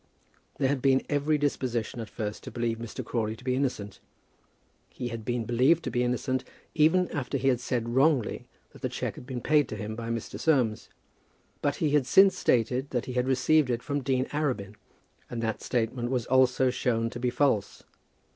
There had been every disposition at first to believe Mr. Crawley to be innocent. He had been believed to be innocent, even after he had said wrongly that the cheque had been paid to him by Mr. Soames; but he had since stated that he had received it from Dean Arabin, and that statement was also shown to be false.